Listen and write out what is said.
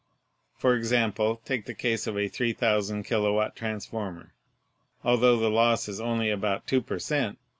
For example, take the case of a 3,000 kilowatt transformer. Altho the loss is only about two per cent.